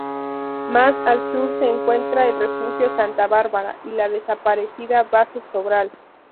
Más al sur se encuentra el refugio Santa Bárbara y la desaparecida base Sobral.